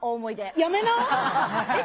やめな。